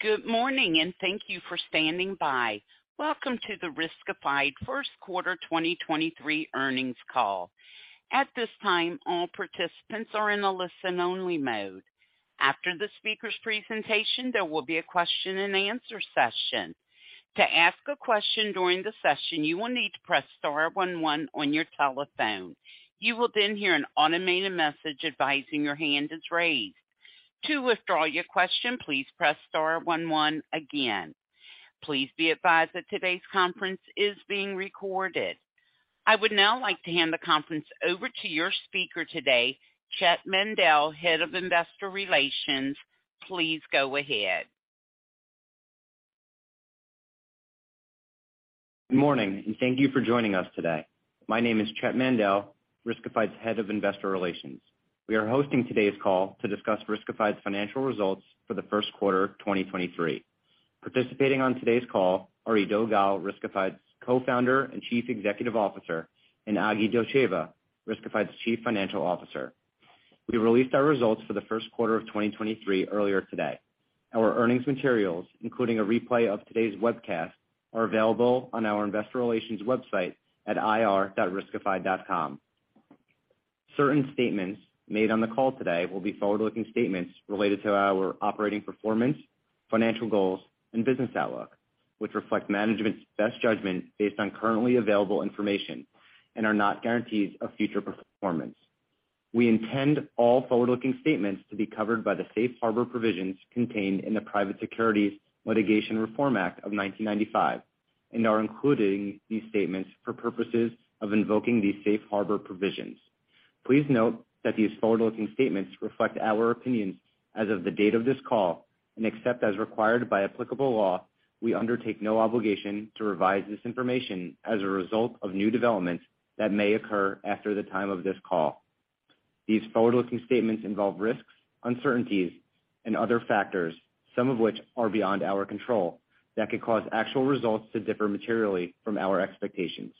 Good morning, and thank you for standing by. Welcome to the Riskified first quarter 2023 earnings call. At this time, all participants are in a listen-only mode. After the speaker's presentation, there will be a question-and-answer session. To ask a question during the session, you will need to press star one one on your telephone. You will then hear an automated message advising your hand is raised. To withdraw your question, please press star one one again. Please be advised that today's conference is being recorded. I would now like to hand the conference over to your speaker today, Chett Mandel, Head of Investor Relations. Please go ahead. Good morning, and thank you for joining us today. My name is Chett Mandel, Riskified's Head of Investor Relations. We are hosting today's call to discuss Riskified's financial results for the first quarter 2023. Participating on today's call are Eido Gal, Riskified's Co-founder and Chief Executive Officer, and Agi Dotcheva, Riskified's Chief Financial Officer. We released our results for the first quarter of 2023 earlier today. Our earnings materials, including a replay of today's webcast, are available on our investor relations website at ir.riskified.com. Certain statements made on the call today will be forward-looking statements related to our operating performance, financial goals, and business outlook, which reflect management's best judgment based on currently available information and are not guarantees of future performance. We intend all forward-looking statements to be covered by the safe harbor provisions contained in the Private Securities Litigation Reform Act of 1995 and are including these statements for purposes of invoking these safe harbor provisions. Please note that these forward-looking statements reflect our opinions as of the date of this call, and except as required by applicable law, we undertake no obligation to revise this information as a result of new developments that may occur after the time of this call. These forward-looking statements involve risks, uncertainties, and other factors, some of which are beyond our control, that could cause actual results to differ materially from our expectations.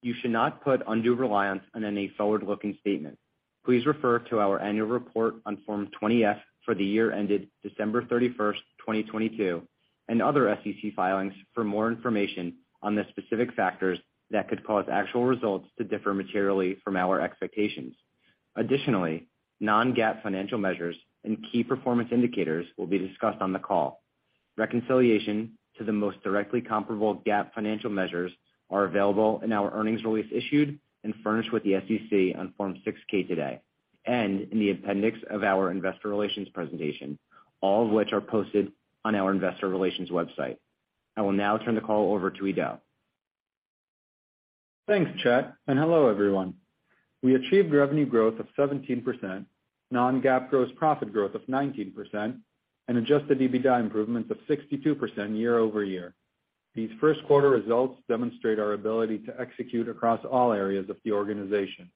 You should not put undue reliance on any forward-looking statement. Please refer to our annual report on Form 20-F for the year ended December 31st, 2022, and other SEC filings for more information on the specific factors that could cause actual results to differ materially from our expectations. Additionally, non-GAAP financial measures and key performance indicators will be discussed on the call. Reconciliation to the most directly comparable GAAP financial measures are available in our earnings release issued and furnished with the SEC on Form 6-K today and in the appendix of our investor relations presentation, all of which are posted on our investor relations website. I will now turn the call over to Eido. Thanks, Chett. Hello, everyone. We achieved revenue growth of 17%, non-GAAP gross profit growth of 19%, and Adjusted EBITDA improvements of 62% year-over-year. These first quarter results demonstrate our ability to execute across all areas of the organization.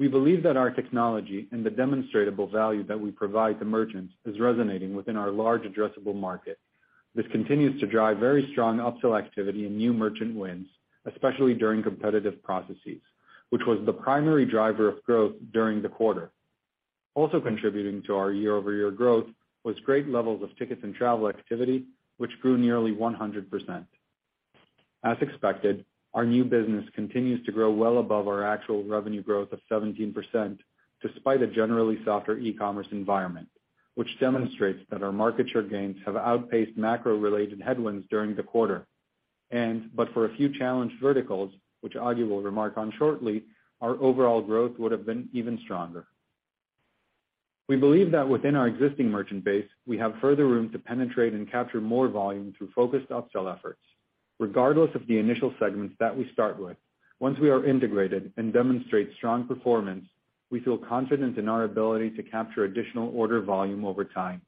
We believe that our technology and the demonstratable value that we provide to merchants is resonating within our large addressable market. This continues to drive very strong upsell activity and new merchant wins, especially during competitive processes, which was the primary driver of growth during the quarter. Also contributing to our year-over-year growth was great levels of Tickets and Travel activity, which grew nearly 100%. As expected, our new business continues to grow well above our actual revenue growth of 17% despite a generally softer e-commerce environment, which demonstrates that our market share gains have outpaced macro-related headwinds during the quarter. But for a few challenged verticals, which Agi will remark on shortly, our overall growth would have been even stronger. We believe that within our existing merchant base, we have further room to penetrate and capture more volume through focused upsell efforts. Regardless of the initial segments that we start with, once we are integrated and demonstrate strong performance, we feel confident in our ability to capture additional order volume over time.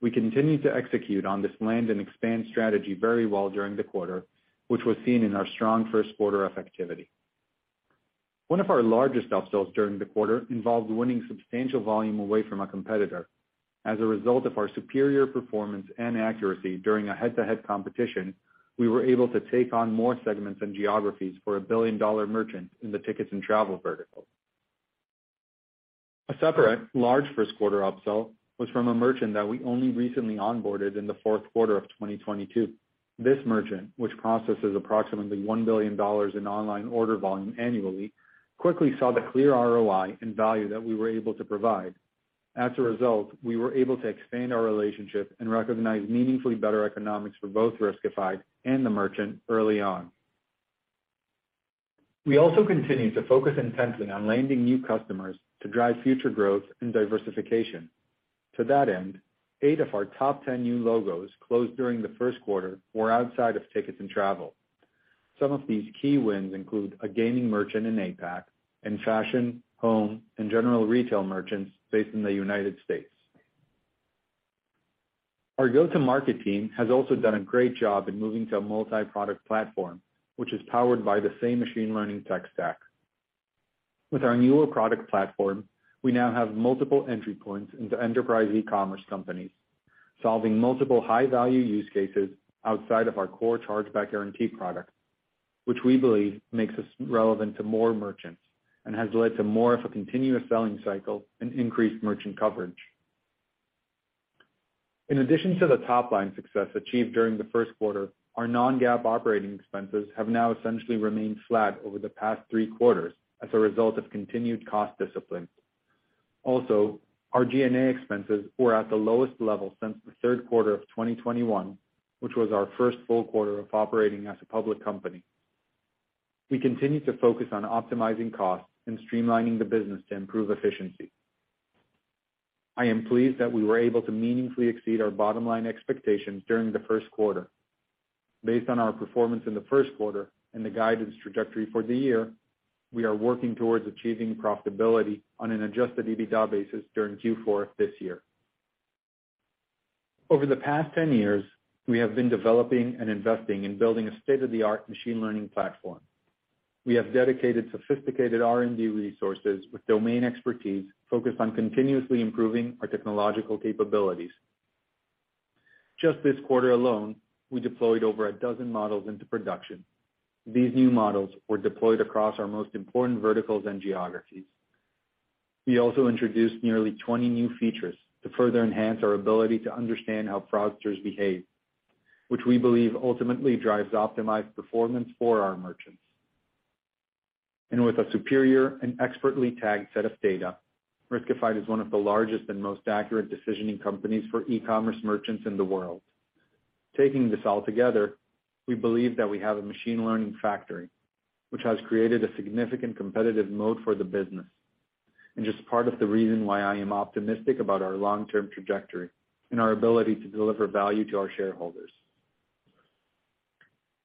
We continue to execute on this land and expand strategy very well during the quarter, which was seen in our strong first quarter effectivity. One of our largest upsells during the quarter involved winning substantial volume away from a competitor. As a result of our superior performance and accuracy during a head-to-head competition, we were able to take on more segments and geographies for a billion-dollar merchant in the Tickets and Travel vertical. A separate large first quarter upsell was from a merchant that we only recently onboarded in the fourth quarter of 2022. This merchant, which processes approximately $1 billion in online order volume annually, quickly saw the clear ROI and value that we were able to provide. As a result, we were able to expand our relationship and recognize meaningfully better economics for both Riskified and the merchant early on. We also continue to focus intensely on landing new customers to drive future growth and diversification. To that end, eight of our top 10 new logos closed during the first quarter were outside of Tickets and Travel. Some of these key wins include a gaming merchant in APAC and fashion, home, and general retail merchants based in the United States. Our go-to-market team has also done a great job in moving to a multi-product platform, which is powered by the same machine learning tech stack. With our newer product platform, we now have multiple entry points into enterprise e-commerce companies, solving multiple high-value use cases outside of our core Chargeback Guarantee product. Which we believe makes us relevant to more merchants and has led to more of a continuous selling cycle and increased merchant coverage. In addition to the top line success achieved during the first quarter, our non-GAAP operating expenses have now essentially remained flat over the past three quarters as a result of continued cost discipline. Also, our G&A expenses were at the lowest level since the third quarter of 2021, which was our first full quarter of operating as a public company. We continue to focus on optimizing costs and streamlining the business to improve efficiency. I am pleased that we were able to meaningfully exceed our bottom-line expectations during the first quarter. Based on our performance in the first quarter and the guidance trajectory for the year, we are working towards achieving profitability on an Adjusted EBITDA basis during Q4 this year. Over the past 10 years, we have been developing and investing in building a state-of-the-art machine learning platform. We have dedicated sophisticated R&D resources with domain expertise focused on continuously improving our technological capabilities. Just this quarter alone, we deployed over a dozen models into production. These new models were deployed across our most important verticals and geographies. We also introduced nearly 20 new features to further enhance our ability to understand how fraudsters behave, which we believe ultimately drives optimized performance for our merchants. With a superior and expertly tagged set of data, Riskified is one of the largest and most accurate decisioning companies for e-commerce merchants in the world. Taking this all together, we believe that we have a machine learning factory, which has created a significant competitive moat for the business, and just part of the reason why I am optimistic about our long-term trajectory and our ability to deliver value to our shareholders.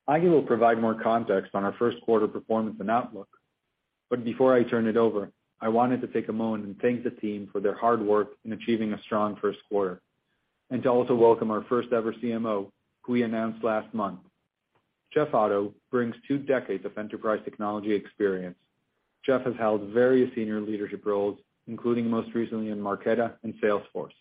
Agi will provide more context on our first quarter performance and outlook. Before I turn it over, I wanted to take a moment and thank the team for their hard work in achieving a strong first quarter, and to also welcome our first ever CMO, who we announced last month. Jeff Otto brings two decades of enterprise technology experience. Jeff has held various senior leadership roles, including most recently in Marqeta and Salesforce.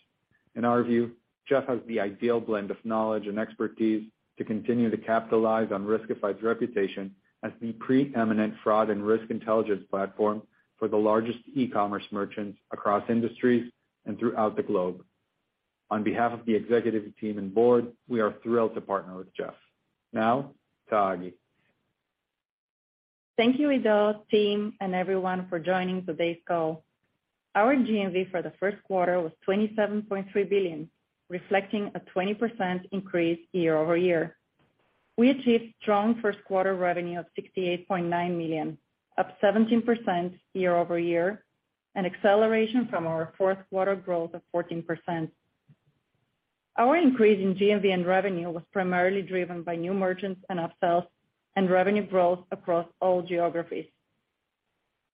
In our view, Jeff has the ideal blend of knowledge and expertise to continue to capitalize on Riskified's reputation as the preeminent fraud and risk intelligence platform for the largest e-commerce merchants across industries and throughout the globe. On behalf of the executive team and board, we are thrilled to partner with Jeff. Now to Agi. Thank you, Eido, team, and everyone for joining today's call. Our GMV for the first quarter was $27.3 billion, reflecting a 20% increase year-over-year. We achieved strong first quarter revenue of $68.9 million, up 17% year-over-year, an acceleration from our fourth quarter growth of 14%. Our increase in GMV and revenue was primarily driven by new merchants and upsells and revenue growth across all geographies.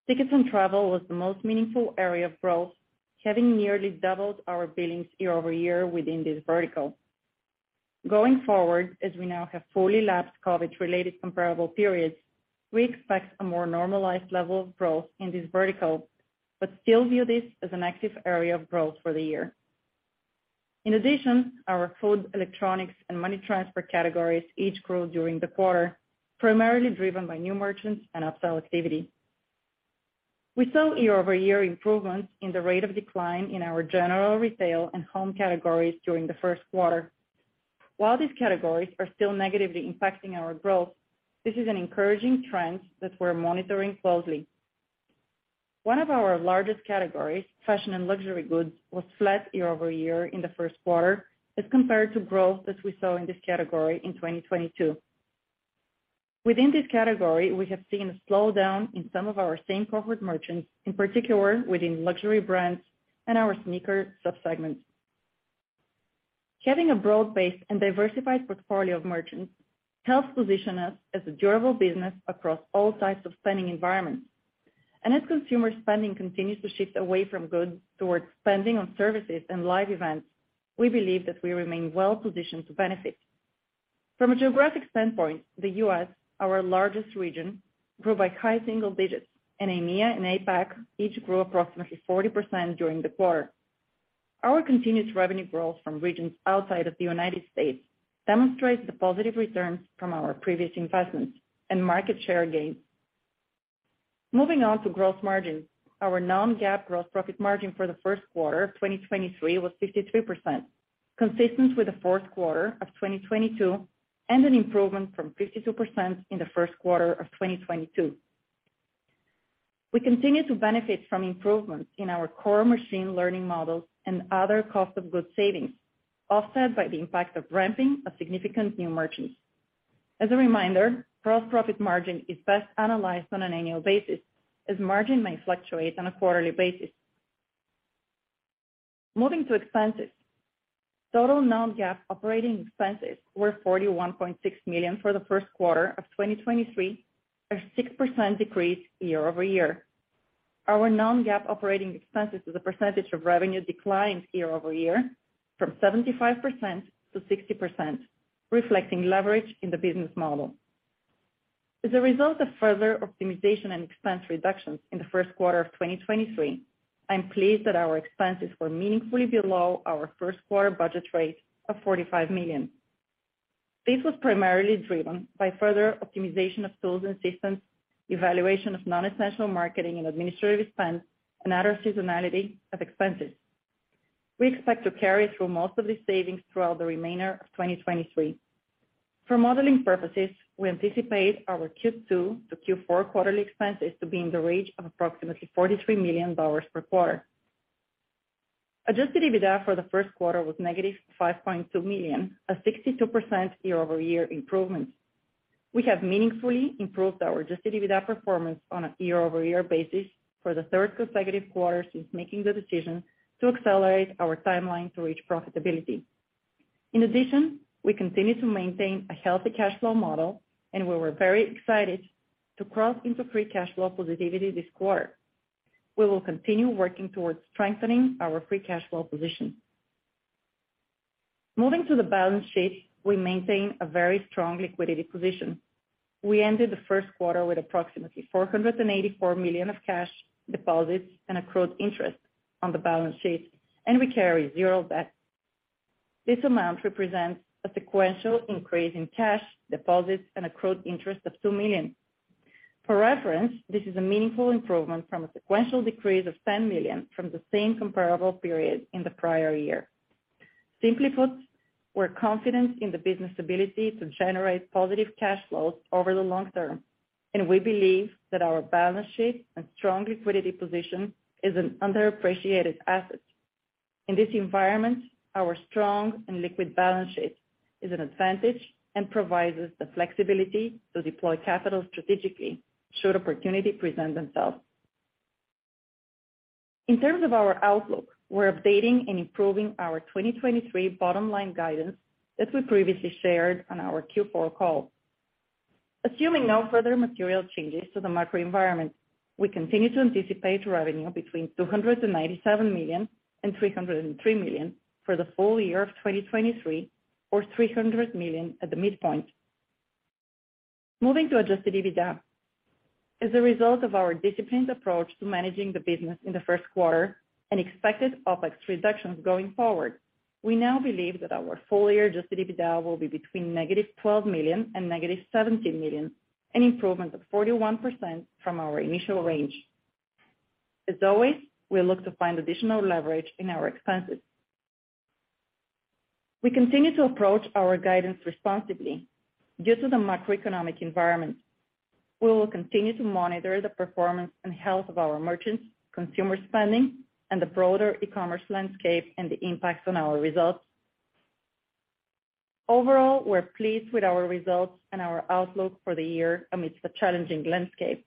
Tickets and Travel was the most meaningful area of growth, having nearly doubled our billings year-over-year within this vertical. Going forward, as we now have fully lapped COVID-related comparable periods, we expect a more normalized level of growth in this vertical, but still view this as an active area of growth for the year. In addition, our food, electronics, and money transfer categories each grew during the quarter, primarily driven by new merchants and upsell activity. We saw year-over-year improvements in the rate of decline in our general retail and home categories during the first quarter. While these categories are still negatively impacting our growth, this is an encouraging trend that we're monitoring closely. One of our largest categories, fashion and luxury goods, was flat year-over-year in the first quarter as compared to growth that we saw in this category in 2022. Within this category, we have seen a slowdown in some of our same cohort merchants, in particular within luxury brands and our sneaker sub-segments. Having a broad-based and diversified portfolio of merchants helps position us as a durable business across all types of spending environments. As consumer spending continues to shift away from goods towards spending on services and live events, we believe that we remain well positioned to benefit. From a geographic standpoint, the US, our largest region, grew by high single digits, and EMEA and APAC each grew approximately 40% during the quarter. Our continuous revenue growth from regions outside of the United States demonstrates the positive returns from our previous investments and market share gains. Moving on to gross margins. Our non-GAAP gross profit margin for the first quarter of 2023 was 53%, consistent with the fourth quarter of 2022 and an improvement from 52% in the first quarter of 2022. We continue to benefit from improvements in our core machine learning models and other cost of goods savings, offset by the impact of ramping of significant new merchants. As a reminder, gross profit margin is best analyzed on an annual basis, as margin may fluctuate on a quarterly basis. Moving to expenses. Total non-GAAP operating expenses were $41.6 million for the first quarter of 2023, a 6% decrease year-over-year. Our non-GAAP operating expenses as a percentage of revenue declined year-over-year from 75% to 60%, reflecting leverage in the business model. As a result of further optimization and expense reductions in the first quarter of 2023, I'm pleased that our expenses were meaningfully below our first quarter budget rate of $45 million. This was primarily driven by further optimization of tools and systems, evaluation of non-essential marketing and administrative expense, and other seasonality of expenses. We expect to carry through most of these savings throughout the remainder of 2023. For modeling purposes, we anticipate our Q2 to Q4 quarterly expenses to be in the range of approximately $43 million per quarter. Adjusted EBITDA for the first quarter was negative $5.2 million, a 62% year-over-year improvement. We have meaningfully improved our Adjusted EBITDA performance on a year-over-year basis for the third consecutive quarter since making the decision to accelerate our timeline to reach profitability. We continue to maintain a healthy cash flow model, and we were very excited to cross into free cash flow positivity this quarter. We will continue working towards strengthening our free cash flow position. Moving to the balance sheet, we maintain a very strong liquidity position. We ended the first quarter with approximately $484 million of cash deposits and accrued interest on the balance sheet, and we carry zero debt. This amount represents a sequential increase in cash deposits and accrued interest of $2 million. For reference, this is a meaningful improvement from a sequential decrease of $10 million from the same comparable period in the prior year. Simply put, we're confident in the business ability to generate positive cash flows over the long term, and we believe that our balance sheet and strong liquidity position is an underappreciated asset. In this environment, our strong and liquid balance sheet is an advantage and provides us the flexibility to deploy capital strategically should opportunity present themselves. In terms of our outlook, we're updating and improving our 2023 bottom line guidance that we previously shared on our Q4 call. Assuming no further material changes to the macro environment, we continue to anticipate revenue between $297 million and $303 million for the full year of 2023 or $300 million at the midpoint. Moving to Adjusted EBITDA. As a result of our disciplined approach to managing the business in the first quarter and expected OpEx reductions going forward, we now believe that our full-year Adjusted EBITDA will be between -$12 million and -$17 million, an improvement of 41% from our initial range. As always, we look to find additional leverage in our expenses. We continue to approach our guidance responsibly due to the macroeconomic environment. We will continue to monitor the performance and health of our merchants, consumer spending, and the broader e-commerce landscape and the impacts on our results. Overall, we're pleased with our results and our outlook for the year amidst a challenging landscape.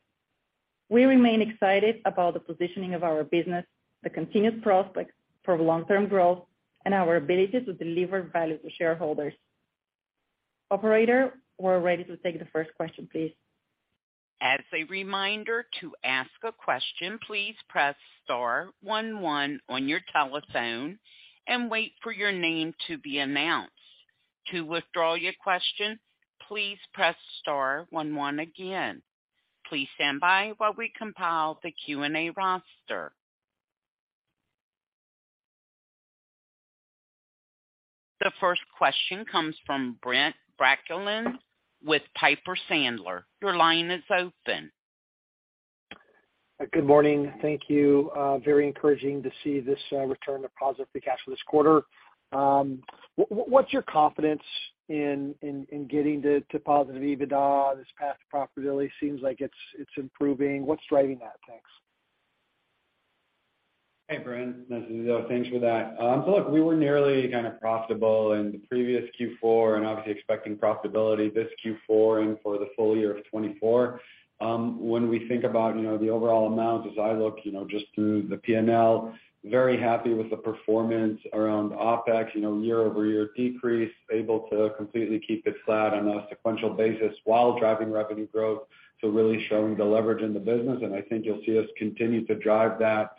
We remain excited about the positioning of our business, the continued prospects for long-term growth, and our ability to deliver value to shareholders. Operator, we're ready to take the first question, please. As a reminder, to ask a question, please press star one one on your telephone and wait for your name to be announced. To withdraw your question, please press star one one again. Please stand by while we compile the Q&A roster. The first question comes from Brent Bracelin with Piper Sandler. Your line is open. Good morning. Thank you. Very encouraging to see this return to positive free cash flow this quarter. What's your confidence in getting to positive EBITDA this path to profitability? Seems like it's improving. What's driving that? Thanks. Hey, Brent. This is Eido. Thanks for that. Look, we were nearly kind of profitable in the previous Q4 and obviously expecting profitability this Q4 and for the full year of 2024. When we think about, you know, the overall amount, as I look, you know, just through the P&L, very happy with the performance around OpEx, you know, year-over-year decrease, able to completely keep it flat on a sequential basis while driving revenue growth. Really showing the leverage in the business, and I think you'll see us continue to drive that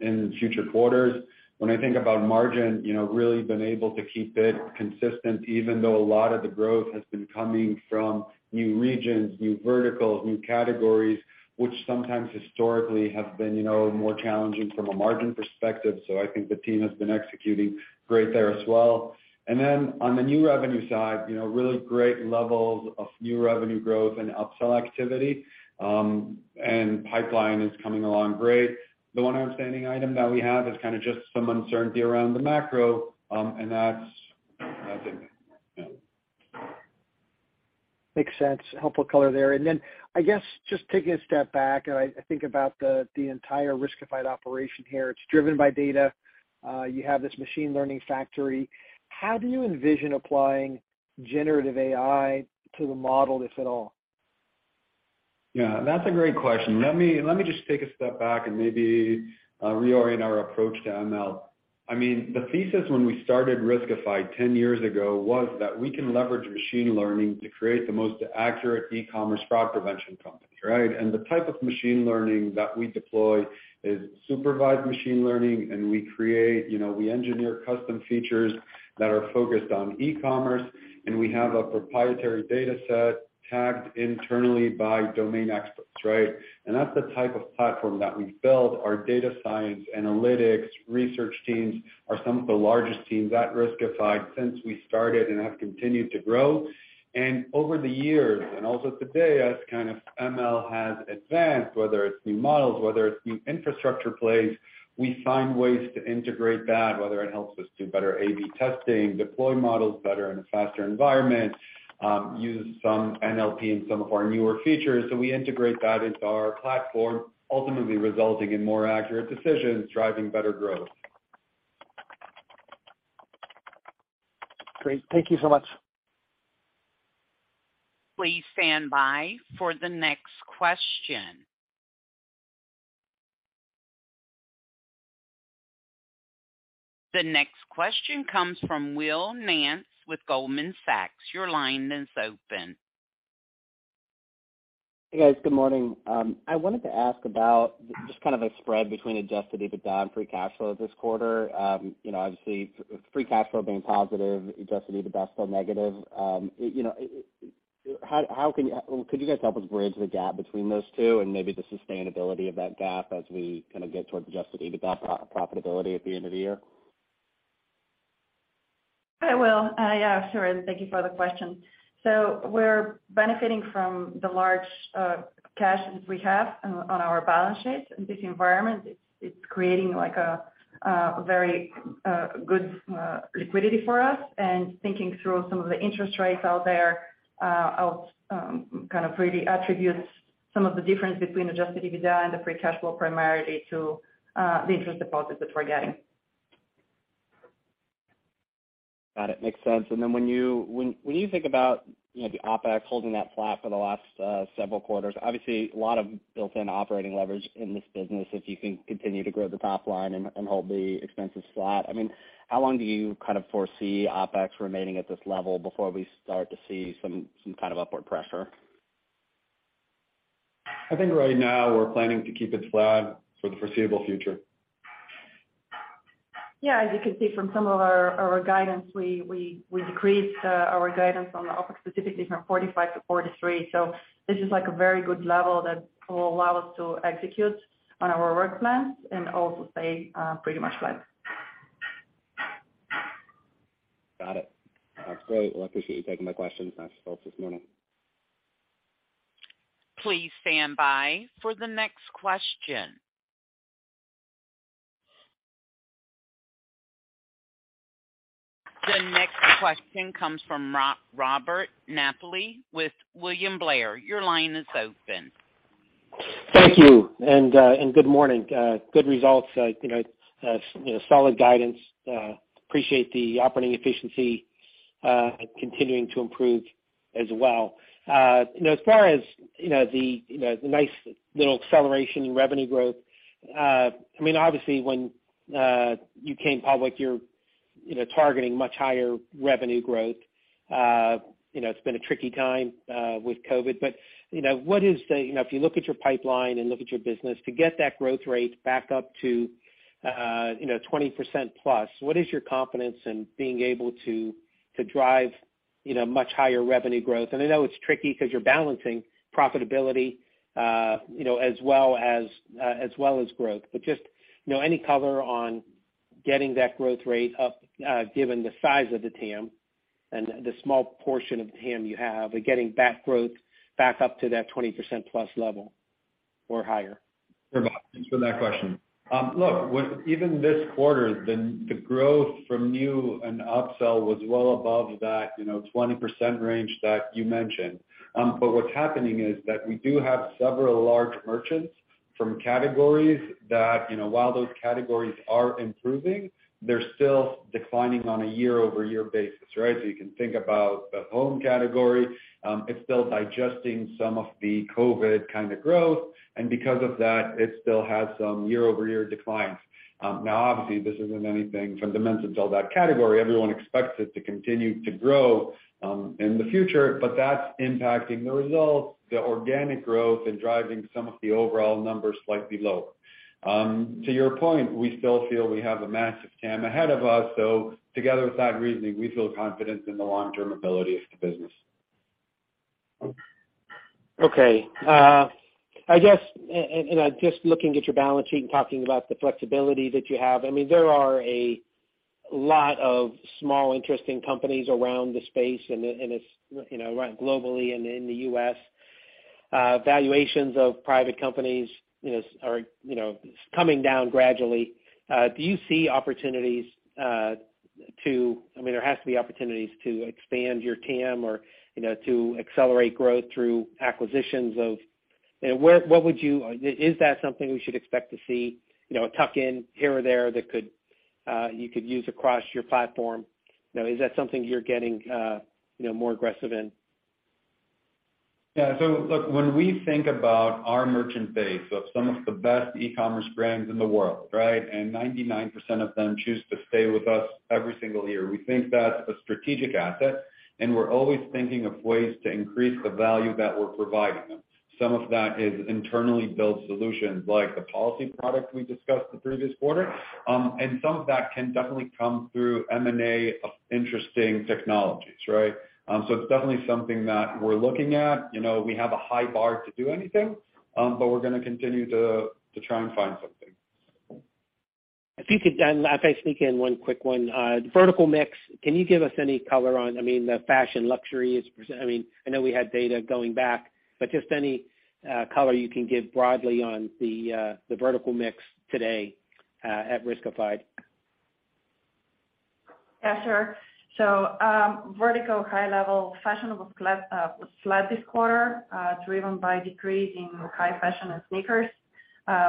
in future quarters. When I think about margin, you know, really been able to keep it consistent even though a lot of the growth has been coming from new regions, new verticals, new categories, which sometimes historically have been, you know, more challenging from a margin perspective. I think the team has been executing great there as well. On the new revenue side, you know, really great levels of new revenue growth and upsell activity, and pipeline is coming along great. The one outstanding item that we have is kind of just some uncertainty around the macro, and that's, I think. Makes sense. Helpful color there. Then I guess just taking a step back, I think about the entire Riskified operation here. It's driven by data. you have this machine learning factory. How do you envision applying generative AI to the model, if at all? Yeah, that's a great question. Let me just take a step back and maybe reorient our approach to ML. I mean, the thesis when we started Riskified 10 years ago was that we can leverage machine learning to create the most accurate e-commerce fraud prevention company, right? The type of machine learning that we deploy is supervised machine learning, and we create, you know, we engineer custom features that are focused on e-commerce, and we have a proprietary data set tagged internally by domain experts, right? That's the type of platform that we build. Our data science, analytics, research teams are some of the largest teams at Riskified since we started and have continued to grow. Over the years, and also today, as kind of ML has advanced, whether it's new models, whether it's new infrastructure plays, we find ways to integrate that, whether it helps us do better A/B testing, deploy models better in a faster environment, use some NLP in some of our newer features. We integrate that into our platform, ultimately resulting in more accurate decisions, driving better growth. Great. Thank you so much. Please stand by for the next question. The next question comes from Will Nance with Goldman Sachs. Your line is open. Hey, guys. Good morning. I wanted to ask about just kind of a spread between Adjusted EBITDA and free cash flow this quarter. you know, obviously free cash flow being positive, Adjusted EBITDA still negative. you know, how could you guys help us bridge the gap between those two and maybe the sustainability of that gap as we kinda get towards Adjusted EBITDA profitability at the end of the year? Hi, Will. Yeah, sure. Thank you for the question. We're benefiting from the large cash that we have on our balance sheet in this environment. It's creating like a very good liquidity for us. Thinking through some of the interest rates out there, I'll kind of really attribute some of the difference between Adjusted EBITDA and the free cash flow primarily to the interest deposits that we're getting. Got it. Makes sense. When you think about, you know, the OpEx holding that flat for the last several quarters, obviously a lot of built-in operating leverage in this business if you can continue to grow the top line and hold the expenses flat. I mean, how long do you kind of foresee OpEx remaining at this level before we start to see some kind of upward pressure? I think right now we're planning to keep it flat for the foreseeable future. As you can see from some of our guidance, we decreased our guidance on the OpEx, specifically from $45 to $43. This is like a very good level that will allow us to execute on our work plans and also stay pretty much flat. Got it. That's great. Well, I appreciate you taking my questions. Nice results this morning. Please stand by for the next question. The next question comes from Robert Napoli with William Blair. Your line is open. Thank you. Good morning. Good results. You know, solid guidance. Appreciate the operating efficiency, continuing to improve as well. You know, as far as, you know, the, you know, the nice little acceleration in revenue growth, I mean, obviously when you came public, you're, you know, targeting much higher revenue growth. You know, it's been a tricky time with COVID, but, you know, what is the... You know, if you look at your pipeline and look at your business, to get that growth rate back up to, you know, 20% plus, what is your confidence in being able to drive, you know, much higher revenue growth? I know it's tricky 'cause you're balancing profitability, you know, as well as well as growth. Just, you know, any color on getting that growth rate up, given the size of the TAM and the small portion of TAM you have and getting that growth back up to that 20% plus level or higher. Sure, Bob. Thanks for that question. Look, with even this quarter, the growth from new and upsell was well above that, you know, 20% range that you mentioned. What's happening is that we do have several large merchants from categories that, you know, while those categories are improving, they're still declining on a year-over-year basis, right? You can think about the home category. It's still digesting some of the COVID kinda growth, and because of that, it still has some year-over-year declines. Now, obviously, this isn't anything from demand to sell that category. Everyone expects it to continue to grow in the future, but that's impacting the results, the organic growth, and driving some of the overall numbers slightly lower. To your point, we still feel we have a massive TAM ahead of us. Together with that reasoning, we feel confident in the long-term ability of the business. Okay. I guess, and just looking at your balance sheet and talking about the flexibility that you have, I mean, there are a lot of small, interesting companies around the space, and it's, you know, globally and in the U.S. Valuations of private companies, you know, are, you know, coming down gradually. Do you see opportunities, I mean, there has to be opportunities to expand your TAM or, you know, to accelerate growth through acquisitions of... You know, Is that something we should expect to see, you know, a tuck in here or there that could-? You could use across your platform. Is that something you're getting, you know, more aggressive in? Look, when we think about our merchant base of some of the best e-commerce brands in the world, right? And 99% of them choose to stay with us every single year. We think that's a strategic asset, and we're always thinking of ways to increase the value that we're providing them. Some of that is internally built solutions like the Policy Protect we discussed through this quarter. And some of that can definitely come through M&A of interesting technologies, right? So it's definitely something that we're looking at. You know, we have a high bar to do anything, but we're gonna continue to try and find something. If you could, if I sneak in one quick one. The vertical mix, can you give us any color on, I mean, the fashion luxury is, I mean, I know we had data going back, but just any color you can give broadly on the vertical mix today at Riskified? Yeah, sure. Vertical high level fashion was flat, was flat this quarter, driven by decrease in high fashion and sneakers.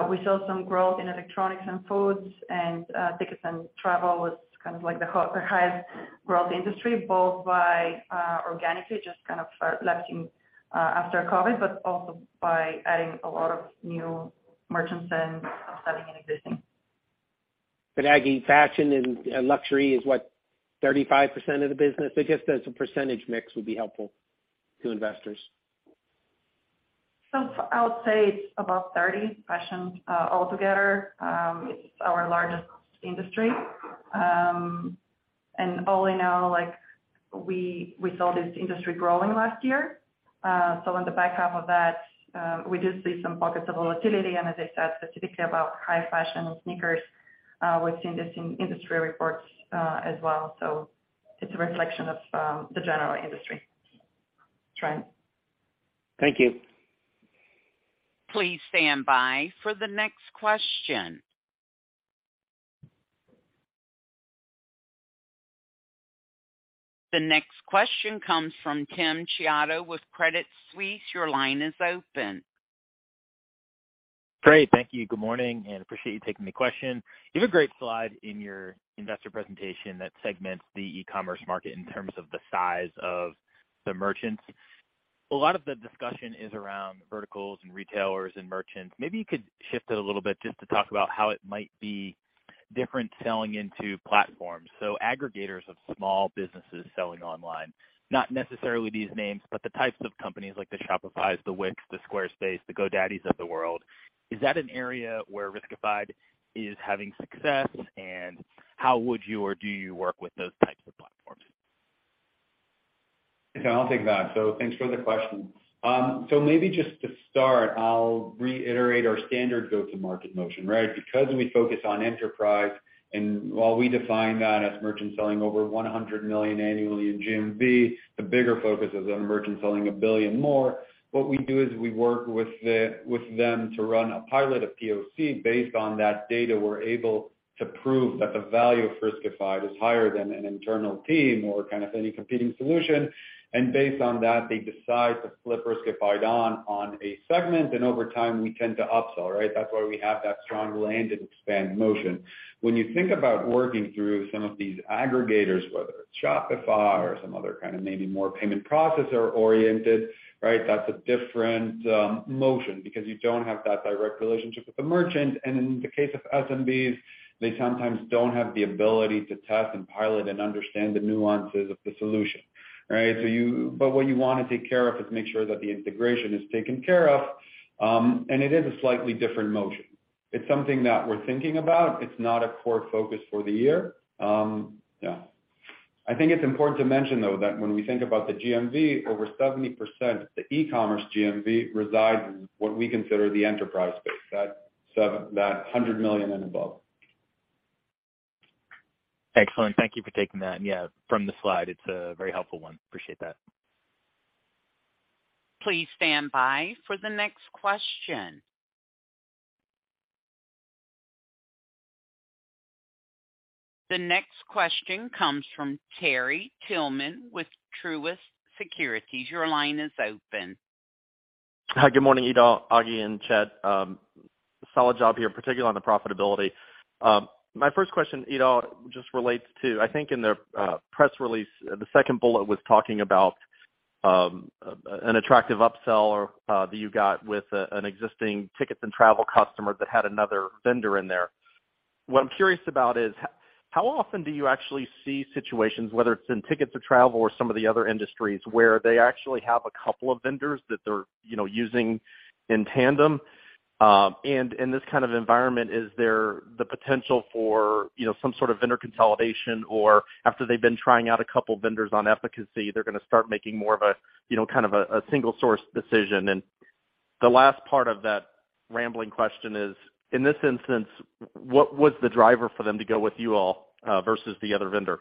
We saw some growth in electronics and foods, and Tickets and Travel was kind of like the high growth industry, both by organically just kind of start lasting after COVID, but also by adding a lot of new merchants and upselling an existing. Agi, fashion and luxury is what, 35% of the business? I guess just a percentage mix would be helpful to investors. I would say it's about 30% altogether. It's our largest industry. All in all, we saw this industry growing last year. On the back half of that, we did see some pockets of volatility, and as I said specifically about high fashion and sneakers, we've seen this in industry reports as well. It's a reflection of the general industry trend. Thank you. Please stand by for the next question. The next question comes from Tim Chiodo with Credit Suisse. Your line is open. Great. Thank you. Good morning. Appreciate you taking the question. You have a great slide in your investor presentation that segments the e-commerce market in terms of the size of the merchants. A lot of the discussion is around verticals and retailers and merchants. Maybe you could shift it a little bit just to talk about how it might be different selling into platforms. Aggregators of small businesses selling online, not necessarily these names, but the types of companies like the Shopifys, the Wix, the Squarespace, the GoDaddys of the world. Is that an area where Riskified is having success? How would you or do you work with those types of platforms? Okay, I'll take that. Thanks for the question. Maybe just to start, I'll reiterate our standard go-to-market motion, right? Because we focus on enterprise and while we define that as merchants selling over $100 million annually in GMV, the bigger focus is on merchants selling $1 billion more. What we do is we work with them to run a pilot of POC. Based on that data, we're able to prove that the value of Riskified is higher than an internal team or kind of any competing solution. Based on that, they decide to flip Riskified on a segment, and over time we tend to upsell, right? That's why we have that strong land and expand motion. When you think about working through some of these aggregators, whether it's Shopify or some other kind of maybe more payment processor-oriented, right? That's a different, motion because you don't have that direct relationship with the merchant. In the case of SMBs, they sometimes don't have the ability to test and pilot and understand the nuances of the solution, right? What you wanna take care of is make sure that the integration is taken care of, and it is a slightly different motion. It's something that we're thinking about. It's not a core focus for the year. I think it's important to mention though that when we think about the GMV, over 70%, the e-commerce GMV resides in what we consider the enterprise space. That $100 million and above. Excellent. Thank you for taking that. Yeah, from the slide, it's a very helpful one. Appreciate that. Please stand by for the next question. The next question comes from Terry Tillman with Truist Securities. Your line is open. Hi. Good morning, Eido, Agi, and Chett. Solid job here, particularly on the profitability. My first question, Eido, just relates to I think in the press release, the second bullet was talking about an attractive upsell or that you got with an existing Tickets and Travel customer that had another vendor in there. What I'm curious about is how often do you actually see situations, whether it's in tickets or travel or some of the other industries, where they actually have a couple of vendors that they're, you know, using in tandem? In this kind of environment, is there the potential for, you know, some sort of vendor consolidation or after they've been trying out a couple vendors on efficacy, they're gonna start making more of a, you know, kind of a single source decision? The last part of that rambling question is, in this instance, what was the driver for them to go with you all, versus the other vendor?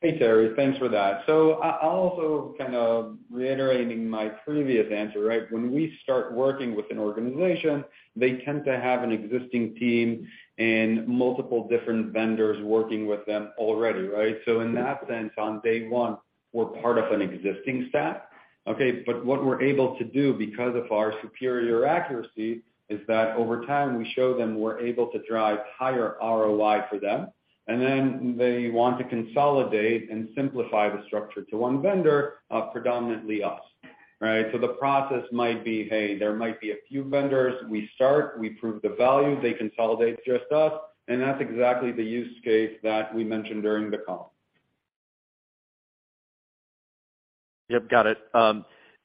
Hey, Terry. Thanks for that. I'll also kind of reiterating my previous answer, right? When we start working with an organization, they tend to have an existing team and multiple different vendors working with them already, right? In that sense, on day one, we're part of an existing stack. Okay, but what we're able to do because of our superior accuracy is that over time we show them we're able to drive higher ROI for them, and then they want to consolidate and simplify the structure to one vendor, predominantly us. Right? The process might be, hey, there might be a few vendors. We start, we prove the value, they consolidate just us, and that's exactly the use case that we mentioned during the call. Yep, got it.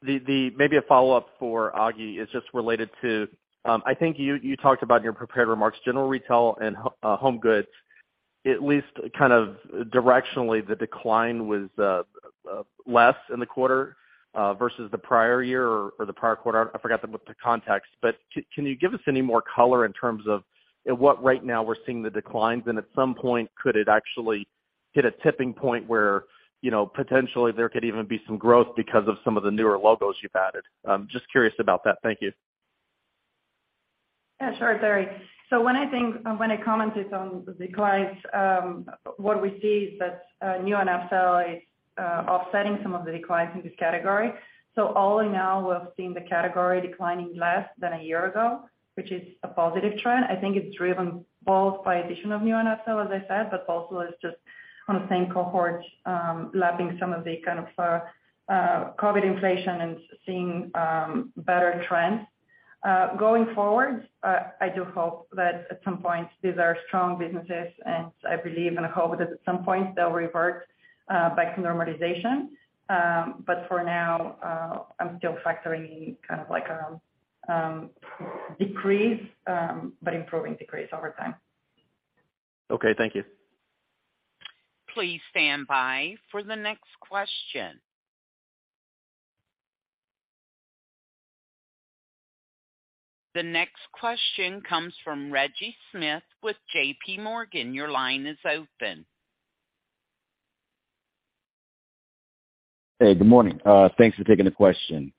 Maybe a follow-up for Agi is just related to, I think you talked about in your prepared remarks general retail and home goods, at least kind of directionally, the decline was less in the quarter versus the prior year or the prior quarter. I forgot the context. Can you give us any more color in terms of what right now we're seeing the declines? At some point, could it actually hit a tipping point where, you know, potentially there could even be some growth because of some of the newer logos you've added? I'm just curious about that. Thank you. Yeah, sure, Terry. When I commented on the declines, what we see is that new and upsell is offsetting some of the declines in this category. All in all, we're seeing the category declining less than a year ago, which is a positive trend. I think it's driven both by addition of new and upsell, as I said, but also it's just on the same cohort, lapping some of the kind of COVID inflation and seeing better trends. Going forward, I do hope that at some point these are strong businesses and I believe and hope that at some point they'll revert back to normalization. For now, I'm still factoring kind of like decrease, but improving decrease over time. Okay. Thank you. Please stand by for the next question. The next question comes from Reggie Smith with JPMorgan. Your line is open. Hey, good morning. Thanks for taking the question.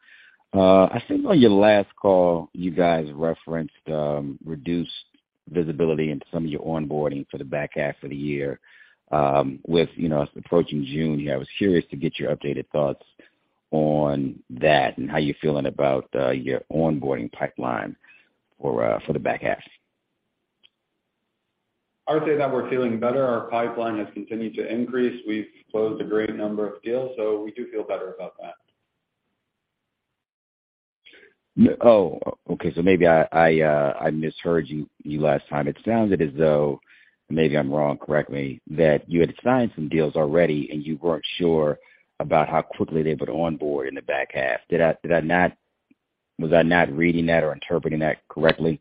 I think on your last call, you guys referenced reduced visibility in some of your onboarding for the back half of the year. With, you know, us approaching June here, I was curious to get your updated thoughts on that and how you're feeling about your onboarding pipeline for the back half. I would say that we're feeling better. Our pipeline has continued to increase. We've closed a great number of deals. We do feel better about that. Oh, okay. Maybe I misheard you last time. It sounded as though, maybe I'm wrong, correct me, that you had signed some deals already and you weren't sure about how quickly they would onboard in the back half. Did I not was I not reading that or interpreting that correctly?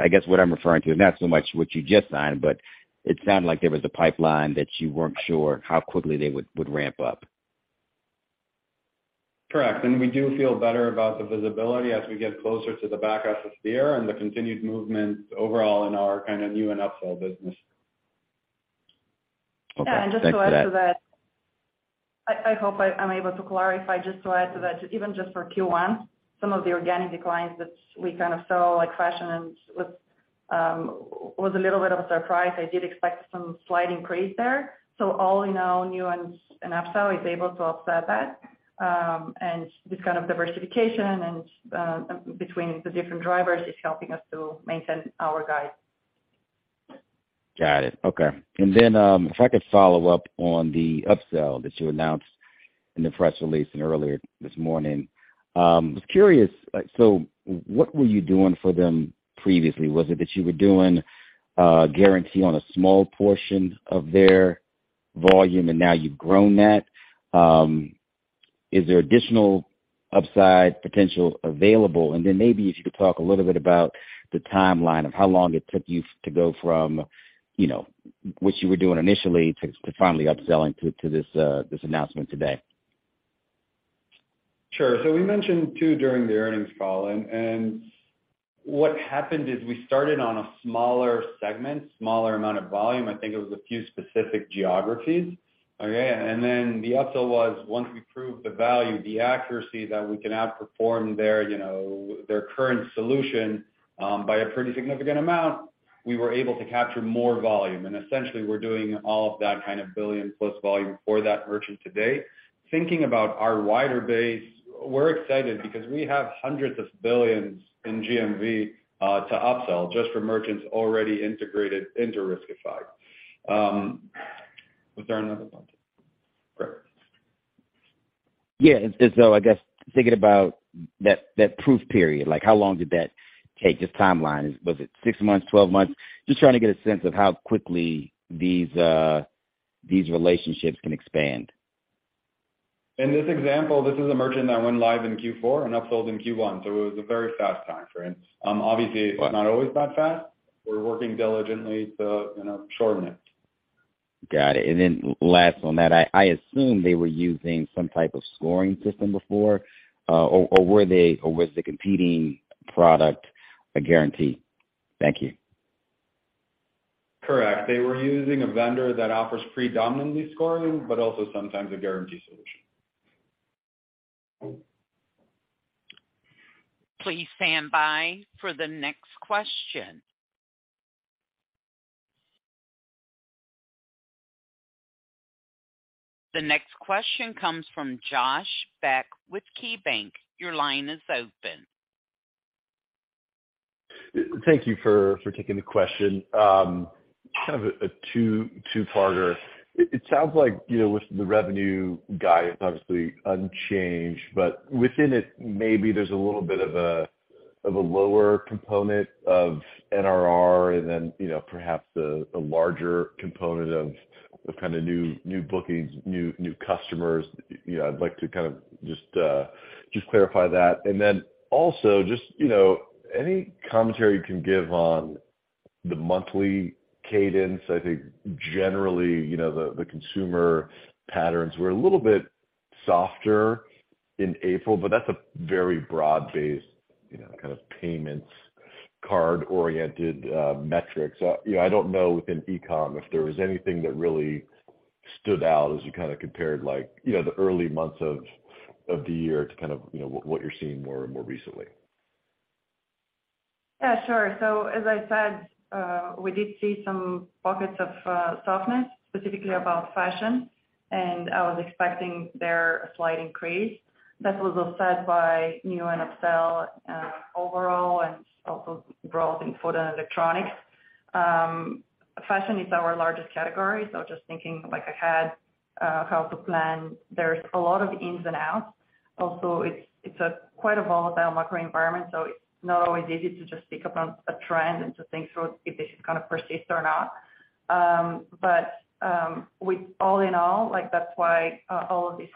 I guess what I'm referring to is not so much what you just signed, but it sounded like there was a pipeline that you weren't sure how quickly they would ramp up. Correct. We do feel better about the visibility as we get closer to the back half of the year and the continued movement overall in our kind of new and upsell business. Okay. Thanks for that. Yeah. Just to add to that, I hope I'm able to clarify just to add to that, even just for Q1, some of the organic declines that we kind of saw, like fashion and with, was a little bit of a surprise. I did expect some slight increase there. All in all, new and upsell is able to offset that. This kind of diversification and, between the different drivers is helping us to maintain our guide. Got it. Okay. If I could follow up on the upsell that you announced in the press release and earlier this morning. Was curious, so what were you doing for them previously? Was it that you were doing guarantee on a small portion of their volume and now you've grown that? Is there additional upside potential available? Maybe if you could talk a little bit about the timeline of how long it took you to go from, you know, what you were doing initially to finally upselling to this announcement today. Sure. We mentioned too during the earnings call, and what happened is we started on a smaller segment, smaller amount of volume. I think it was a few specific geographies. Okay. Then the upsell was once we proved the value, the accuracy that we can outperform their, you know, their current solution by a pretty significant amount, we were able to capture more volume. Essentially, we're doing all of that kind of billion-plus volume for that merchant today. Thinking about our wider base, we're excited because we have $hundreds of billions in GMV to upsell just from merchants already integrated into Riskified. Was there another question? Great. Yeah. I guess thinking about that proof period, like, how long did that take? Just timeline. Was it six months? 12 months? Just trying to get a sense of how quickly these relationships can expand. In this example, this is a merchant that went live in Q4 and upsold in Q1, so it was a very fast time frame. Right. It's not always that fast. We're working diligently to, you know, shorten it. Got it. Last on that, I assume they were using some type of scoring system before, or were they or was the competing product a guarantee? Thank you. Correct. They were using a vendor that offers predominantly scoring, but also sometimes a guarantee solution. Please stand by for the next question. The next question comes from Josh Beck with KeyBank. Your line is open. Thank you for taking the question. Kind of a 2-parter. It sounds like, you know, with the revenue guide, it's obviously unchanged, but within it, maybe there's a little bit of a lower component of NRR and then, you know, perhaps a larger component of kinda new bookings, new customers. You know, I'd like to kind of just clarify that. Then also just, you know, any commentary you can give on the monthly cadence? I think generally, you know, the consumer patterns were a little bit softer in April, but that's a very broad-based, you know, kind of payments, card-oriented metrics. You know, I don't know within eComm if there was anything that really stood out as you kinda compared, like, you know, the early months of the year to kind of, you know, what you're seeing more and more recently? Yeah, sure. As I said, we did see some pockets of softness, specifically about fashion, and I was expecting there a slight increase. That was offset by new and upsell overall and also growth in food and electronics. Fashion is our largest category, so just thinking like ahead, how to plan. There's a lot of ins and outs. Also it's a quite a volatile macro environment, so it's not always easy to just pick up on a trend and to think so if this is gonna persist or not. But all in all, like, that's why all of these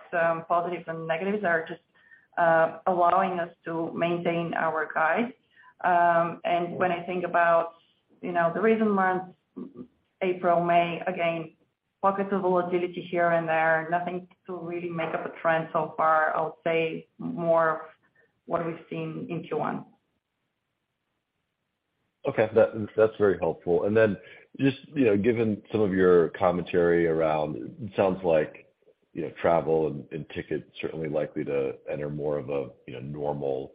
positives and negatives are just allowing us to maintain our guide. When I think about, you know, the recent months, April, May, again, pockets of volatility here and there, nothing to really make up a trend so far. I'll say more of what we've seen in Q1. Okay. That's very helpful. Then just, you know, given some of your commentary around, it sounds like, you know, travel and tickets certainly likely to enter more of a, you know, normal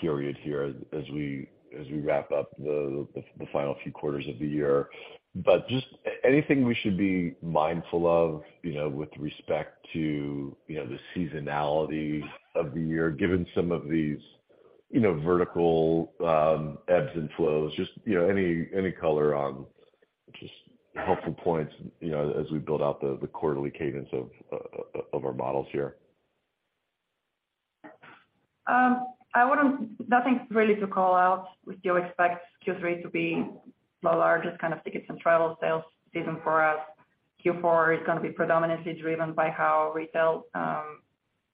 period here as we wrap up the final few quarters of the year. Just anything we should be mindful of, you know, with respect to, you know, the seasonality of the year, given some of these, you know, vertical ebbs and flows? Just, you know, any color on just helpful points, you know, as we build out the quarterly cadence of our models here. Nothing really to call out. We still expect Q3 to be the largest kind of Tickets and Travel sales season for us. Q4 is gonna be predominantly driven by how retail,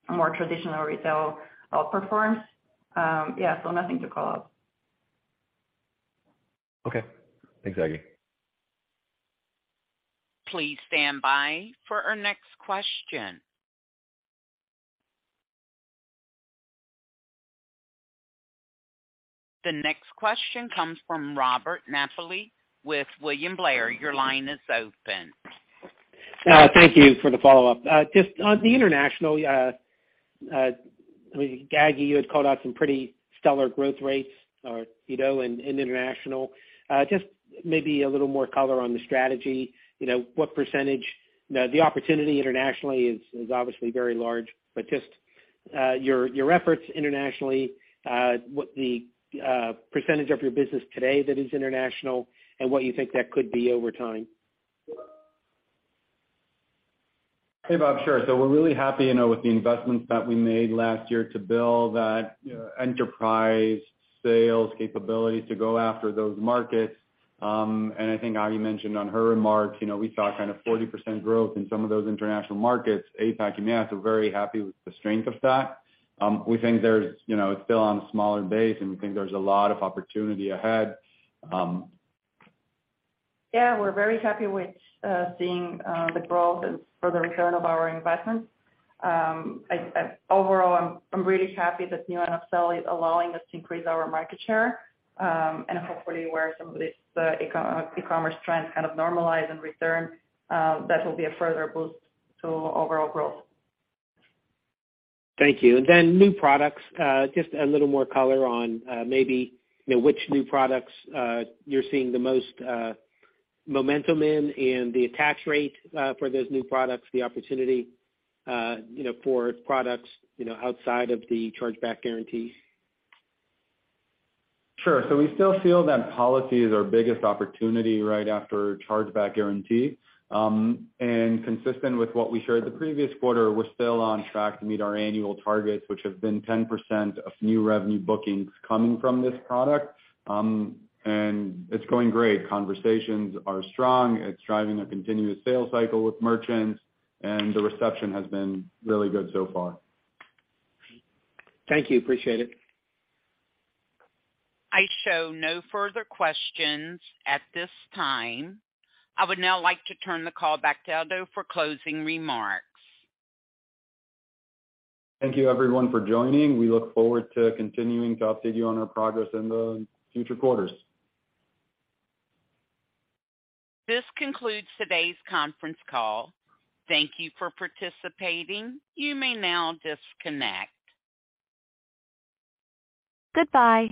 more traditional retail outperforms. Yeah, nothing to call out. Okay. Thanks, Agi. Please stand by for our next question. The next question comes from Robert Napoli with William Blair. Your line is open. Thank you for the follow-up. Just on the international, I mean, Agi, you had called out some pretty stellar growth rates or, you know, in international. Just maybe a little more color on the strategy. You know, the opportunity internationally is obviously very large, but just your efforts internationally, what the percentage of your business today that is international and what you think that could be over time? Hey, Bob. Sure. We're really happy, you know, with the investments that we made last year to build that, you know, enterprise sales capability to go after those markets. I think Agi mentioned on her remarks, you know, we saw kind of 40% growth in some of those international markets, APAC and MEA, so very happy with the strength of that. We think there's, you know, it's still on a smaller base, and we think there's a lot of opportunity ahead. Yeah, we're very happy with seeing the growth and further return of our investments. Overall I'm really happy that new and upsell is allowing us to increase our market share, and hopefully where some of these e-commerce trends kind of normalize and return, that will be a further boost to overall growth. Thank you. New products, just a little more color on, maybe, you know, which new products, you're seeing the most momentum in and the attach rate for those new products, the opportunity, you know, for products, you know, outside of the Chargeback Guarantees? Sure. We still feel that Policy is our biggest opportunity right after Chargeback Guarantee. Consistent with what we shared the previous quarter, we're still on track to meet our annual targets, which have been 10% of new revenue bookings coming from this product. It's going great. Conversations are strong. It's driving a continuous sales cycle with merchants, and the reception has been really good so far. Thank you. Appreciate it. I show no further questions at this time. I would now like to turn the call back to Eido for closing remarks. Thank you everyone for joining. We look forward to continuing to update you on our progress in the future quarters. This concludes today's conference call. Thank you for participating. You may now disconnect. Goodbye.